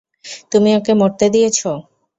তুমি ওকে মরতে দিয়েছ।